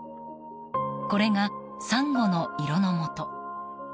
これがサンゴの色のもと。